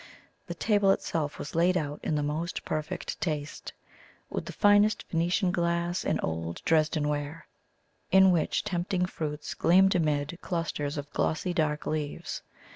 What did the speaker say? The table itself was laid out in the most perfect taste, with the finest Venetian glass and old Dresden ware, in which tempting fruits gleamed amid clusters of glossy dark leaves.